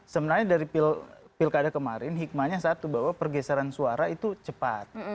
sebenarnya dari pilkada kemarin hikmahnya satu bahwa pergeseran suara itu cepat